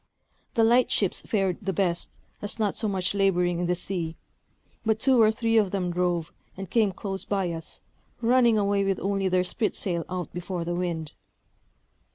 The light ships fared the best, as not so much laboring in the sea; but two or three of them drove, and came close by us, running away with only their spritsail out before the wind.